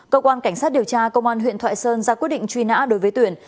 cơ quan cảnh sát điều tra công an huyện thoại sơn ra quyết định truy nã đối với tuyển